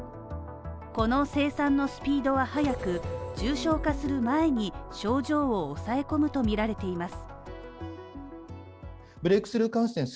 この生産のスピードは速く、重症化する前に、症状を抑え込むとみられています。